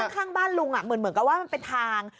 ข้างบ้านลุงเหมือนกับว่ามันเป็นทาง